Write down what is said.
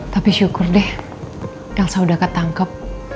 tapi syukur deh elsa udah ketangkep